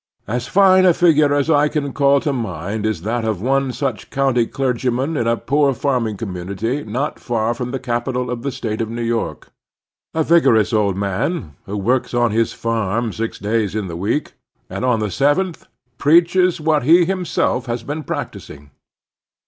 As fine a figure as I can call to mind is that of one such country clergyman in a poor farming com munity not far from the capital of the State of New York — a vigorous old man, who works on his farm six days in the week, and on the seventh preaches what he himself has been practising.